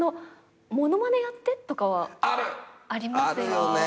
あるよね。